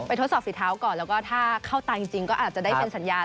ทดสอบฝีเท้าก่อนแล้วก็ถ้าเข้าตาจริงก็อาจจะได้เป็นสัญญาณ